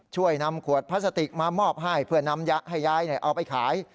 ช่วยนำขวดพลาสติกมามอบให้เพื่อนำยะให้ยายเอาไปขาย